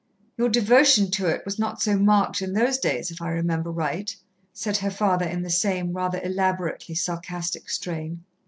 "Your devotion to it was not so marked in those days, if I remember right," said her father in the same, rather elaborately sarcastic strain.